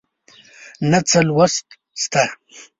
نه څه لوست شته